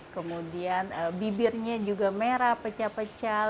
kemudian bibirnya juga merah pecah pecah